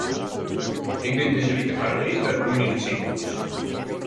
Ik bin dizze wike foar it earst wer begûn yn it sikehús.